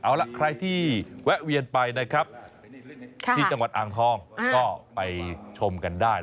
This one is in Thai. เอาล่ะใครที่แวะเวียนไปนะครับที่จังหวัดอ่างทองก็ไปชมกันได้